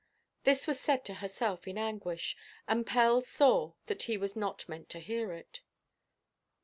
This was said to herself in anguish, and Pell saw that he was not meant to hear it.